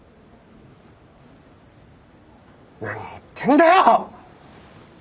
何言ってんだよ！